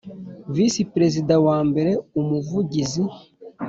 V Perezida wa mbere Umuvugizi